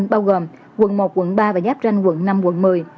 bao gồm quận một quận ba và giáp tranh quận năm quận một mươi